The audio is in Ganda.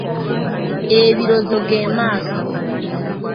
Ebirozo ge maaso.